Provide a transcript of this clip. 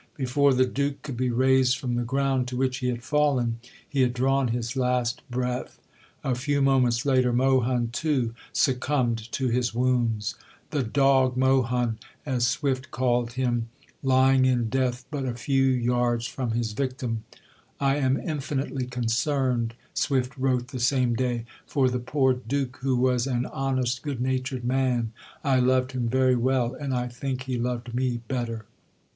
Before the Duke could be raised from the ground to which he had fallen, he had drawn his last breath. A few moments later Mohun, too, succumbed to his wounds the "Dog Mohun," as Swift called him, lying in death but a few yards from his victim. "I am infinitely concerned," Swift wrote the same day, "for the poor Duke, who was an honest, good natured man. I loved him very well, and I think he loved me better."